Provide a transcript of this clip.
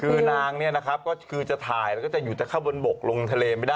คือนางเนี่ยนะครับก็คือจะถ่ายแล้วก็จะอยู่แต่เข้าบนบกลงทะเลไม่ได้